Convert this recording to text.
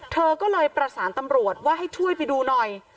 เธอก็เลยประสานตำรวจว่าให้ช่วยไปดูหน่อย